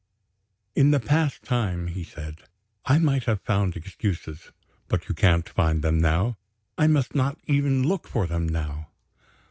"In the past time," he said, "I might have found excuses." "But you can't find them now?" "I must not even look for them now."